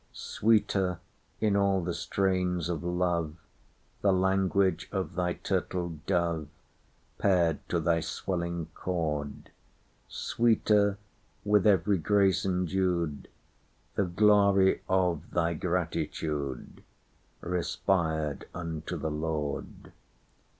Sweeter, in all the strains of love, The language of thy turtle dove, Paired to thy swelling chord; Sweeter, with every grace endued, The glory of thy gratitude. Respired unto the Lord.